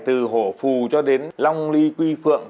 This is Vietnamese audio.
từ hổ phù cho đến long ly quy phượng